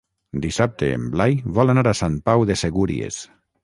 Dissabte en Blai vol anar a Sant Pau de Segúries.